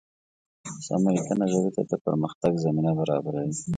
سمه لیکنه ژبې ته د پرمختګ زمینه برابروي.